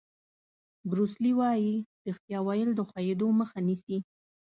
بروس لي وایي ریښتیا ویل د ښویېدو مخه نیسي.